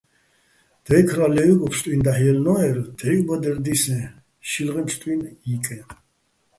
დაჲქრა ლე́ვუჲგო ფსტუჲნო̆ დაჰ̦ ჲელნო́ერ, დღივჸ ბადერ დისეჼ, შილღეჼ ფსტუ ჲიკეჼ.